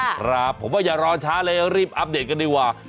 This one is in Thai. ครับผมว่าอย่ารอช้าเลยรีบอัปเดตกันดีกว่า